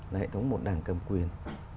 là hệ thống một đảng cầm quyền